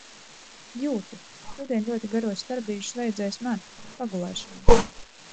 Jūtu, šodien ļoti garos starpbrīžus vajadzēs man. Pagulēšanai.